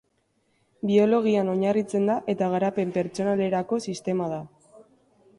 Biologian oinarritzen da eta garapen pertsonalerako sistema da.